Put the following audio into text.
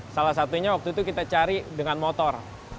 salah satunya waktu itu kita cari dengan motor